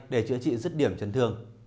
để chữa trị rứt điểm chấn thương